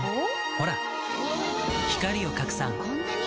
ほら光を拡散こんなに！